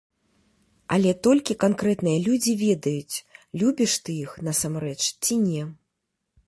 Але толькі канкрэтныя людзі ведаюць, любіш ты іх насамрэч ці не.